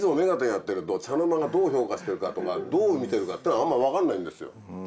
やってると茶の間がどう評価してるかとかどう見てるかっていうのはあんまり分かんないんですよ。